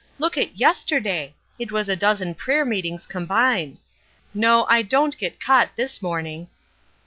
Look at yesterday! It was a dozen prayer meetings combined. No, I don't get caught this morning."